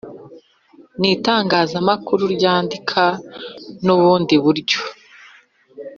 N itangazamakuru ryandika n ubundi buryo